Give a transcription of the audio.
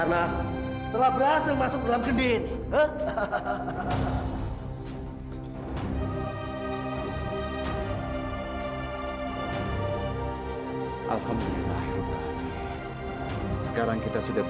saya akan menjadi orang baik ki